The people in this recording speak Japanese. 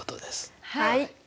はい！